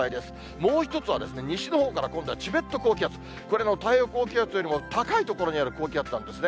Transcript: もう一つはですね、西のほうから今度はチベット高気圧、これの太平洋高気圧よりも、高い所にある高気圧なんですね。